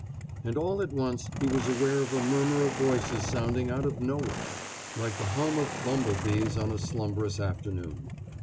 And all at once he was aware of a murmur of voices sounding out of Nowhere, like the hum of bumble bees on a slumbrous afternoon.